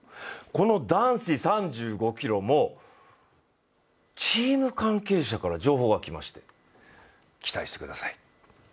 この男子３５ｋｍもチーム関係者から情報がきまして期待してください